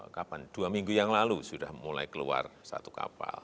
kapan dua minggu yang lalu sudah mulai keluar satu kapal